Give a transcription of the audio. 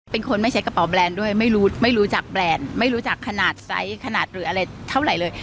เป็นคนไม่ใช้กระเป๋าแบรนด์ด้วยไม่รู้ไม่รู้จักแบรนด์ไม่รู้จักขนาดไซส์ขนาดหรืออะไรเท่าไหร่เลย